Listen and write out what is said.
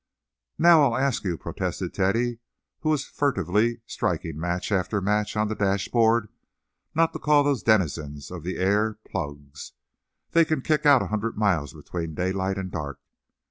"Now, I'll ask you," protested Teddy, who was futilely striking match after match on the dashboard, "not to call those denizens of the air plugs. They can kick out a hundred miles between daylight and dark."